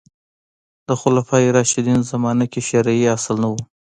د خلفای راشدین زمانه کې شرعي اصل نه و